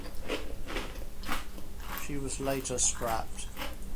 She was later scrapped.